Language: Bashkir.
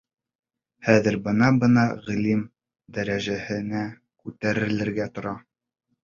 Хәҙер бына-бына ғалим дәрәжәһенә күтәрелергә тора.